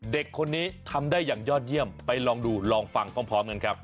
เด็กคนนี้ทำได้อย่างยอดเยี่ยมไปลองดูลองฟังพร้อมกันครับ